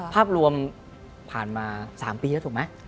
ภาพรวมผ่านมา๓ปีแล้วถูกไหม